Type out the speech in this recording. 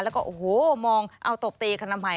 แล้วก็โอ้โหมองเอาตบตีกันทำไม